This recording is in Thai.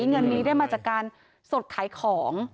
เงินนี้ได้มาจากการสดขายของ